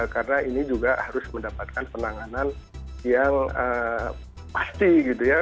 karena ini juga harus mendapatkan penanganan yang pasti gitu ya